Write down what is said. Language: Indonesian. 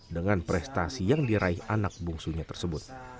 dengan prestasi yang diraih anak bungsunya tersebut